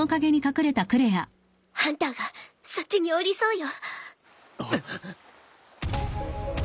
ハンターがそっちにおりそうよ。